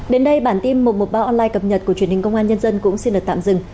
đến đây bản tin một trăm một mươi ba online cập nhật của truyền hình công an nhân dân cũng xin được tạm dừng